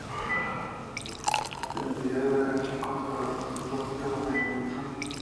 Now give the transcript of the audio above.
El vídeo de la canción contó con el propio Brian Wilson.